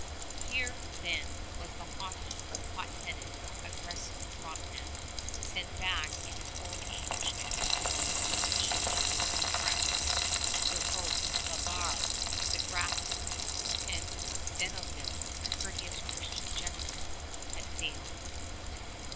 Here, then, was the haughty, hot headed, aggressive Frontenac, sent back in his old age to restore the prestige of New France, where both La Barre the grafter, and Denonville the courteous Christian gentleman, had failed.